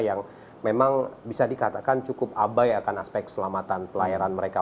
yang memang bisa dikatakan cukup abai akan aspek keselamatan pelayaran mereka